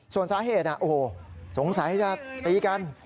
ส่วนสาเหตุโอ้โหสงสัยจะตีกัน